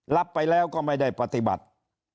รับไปแล้วก็ไม่ได้ปฏิบัติ